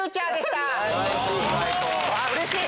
うれしい！